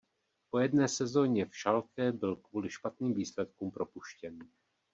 Po jedné sezóně v Schalke byl kvůli špatným výsledkům propuštěn.